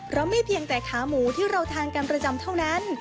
เพราะไม่เพียงแต่ขาหมูที่เราทานกันประจำเท่านั้น